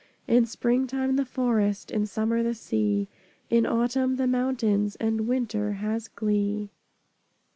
In Spring time, the Forest, In Summer, the Sea, In Autumn, the Mountains, And Winter has glee.